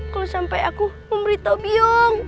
kalau sampai aku memberitahu biong